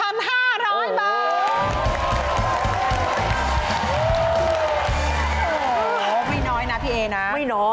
โอ้โฮไม่น้อยนะพี่เอนะ